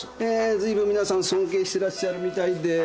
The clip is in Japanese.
ずいぶん皆さん尊敬してらっしゃるみたいで。